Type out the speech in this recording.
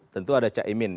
tentu ada cak imin ya